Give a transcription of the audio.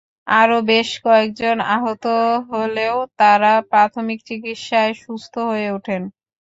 আরও বেশ কয়েকজন আহত হলেও তাঁরা প্রাথমিক চিকিৎসায় সুস্থ হয়ে ওঠেন।